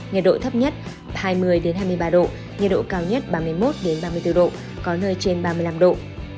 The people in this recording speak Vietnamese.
nhiệt độ thấp nhất hai mươi hai mươi ba độ nhiệt độ cao nhất ba mươi một ba mươi bốn độ có nơi trên ba mươi năm độ